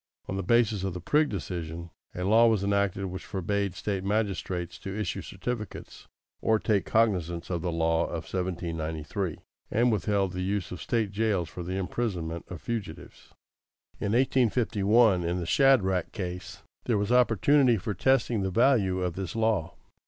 On the basis of the Prigg decision, a law was enacted which forbade State magistrates to issue certificates or take cognizance of the law of 1793, and withheld the use of State jails for the imprisonment of fugitives. In 1851, in the Shadrach case, there was opportunity for testing the value of this law.